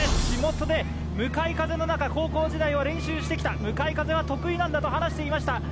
地元で向かい風の中、高校時代は練習してきた、向かい風は得意なんだと話しています。